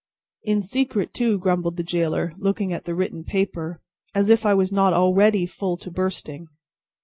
"In secret, too," grumbled the gaoler, looking at the written paper. "As if I was not already full to bursting!"